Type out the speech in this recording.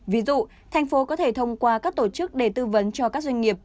ví dụ thành phố có thể thông qua các tổ chức để tư vấn cho các doanh nghiệp